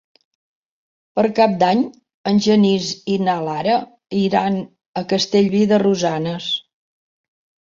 Per Cap d'Any en Genís i na Lara iran a Castellví de Rosanes.